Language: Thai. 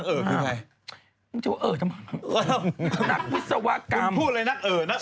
นักเอ๋อภาพพูดไงไม่ต้องจะว่าเอ๋อกูพูดเลยนักเอ๋อนักเอ๋อ